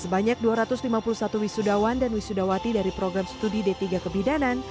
sebanyak dua ratus lima puluh satu wisudawan dan wisudawati dari program studi d tiga kebidanan